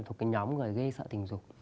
thuộc cái nhóm người gây sợ tình dục